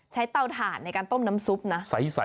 เตาถ่านในการต้มน้ำซุปนะ